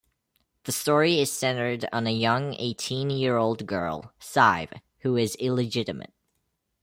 The story is centred on a young eighteen-year-old girl, Sive, who is illegitimate.